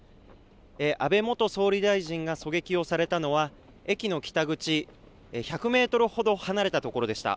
安倍元総理大臣が狙撃をされたのは駅の北口、１００メートルほど離れたところでした。